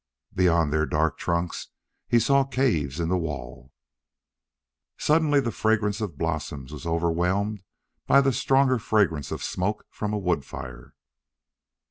Beyond their dark trunks he saw caves in the wall. Suddenly the fragrance of blossom was overwhelmed by the stronger fragrance of smoke from a wood fire.